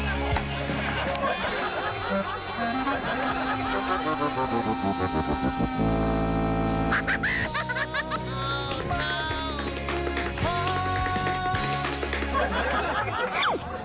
น้ำบันกับทางวัน